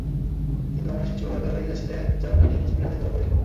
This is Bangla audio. কিন্তু বাংলাদেশি চোরাকারবারির কাছে নিয়ে যাওয়ার আগে বিজিবির হাতে ধরা পড়ি।